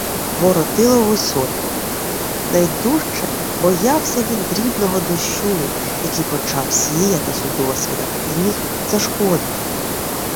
Воротилову сотню. Найдужче боявся він дрібного дощу, який почав сіятись удосвіта й міг зашкодити.